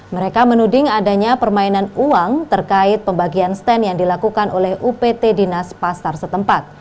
mereka menuding adanya permainan uang terkait pembagian stand yang dilakukan oleh upt dinas pasar setempat